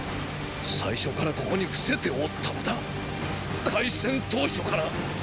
最初からここに伏せておったのだ“開戦当初”から！